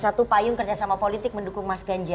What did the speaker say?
satu payung kerjasama politik mendukung mas ganjar